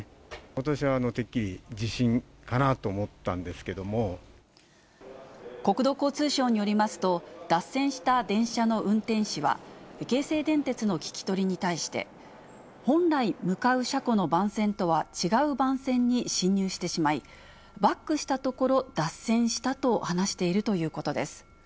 私はてっきり、国土交通省によりますと、脱線した電車の運転士は、京成電鉄の聞き取りに対して、本来、向かう車庫の番線とは違う番線に進入してしまい、バックしたところ、脱線したと話しているということです。